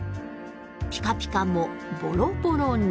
ピカピカもボロボロに。